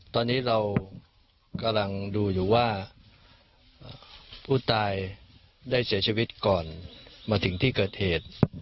ตอนนี้เรากำลังดูอยู่ว่าผู้ตายได้เสียชีวิตก่อนมาถึงที่เกิดเหตุ